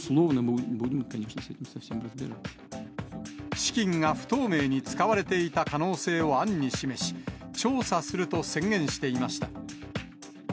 資金が不透明に使われていた可能性を暗に示し、調査すると宣言していました。